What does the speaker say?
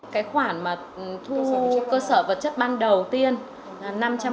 cái khoản mà thu cơ sở vật chất ban đầu tiên là năm trăm linh